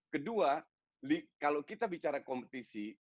kedua kalau kita bicara kompetisi